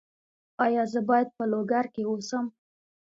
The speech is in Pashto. ایا زه باید په لوګر کې اوسم؟